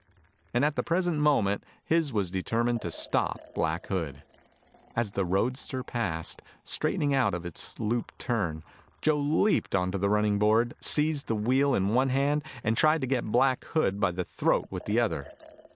And at the present moment his was determined to stop Black Hood. As the roadster passed, straightening out of its loop turn, Joe leaped to the running board, seized the wheel in one hand and tried to get Black Hood by the throat with the other.